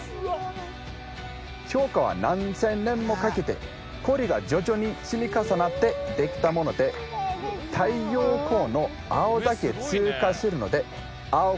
氷河は何千年もかけて氷が徐々に積み重なってできたもので太陽光の青だけ通過するので青く見えるんだそうです。